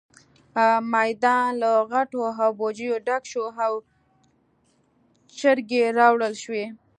میدان له غوټو او بوجيو ډک شو او چرګې راوړل شوې.